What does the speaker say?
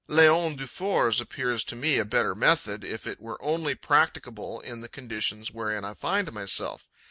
Leon Dufour's appears to me a better method if it were only practicable in the conditions wherein I find myself.